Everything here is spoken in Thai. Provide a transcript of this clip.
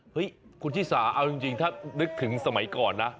เฮ้ยคุณชิสาเอาจริงถ้านึกถึงสมัยก่อนนะ